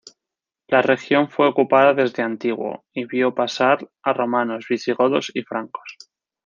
La región fue ocupada desde antiguo, y vio pasar a romanos, visigodos y francos.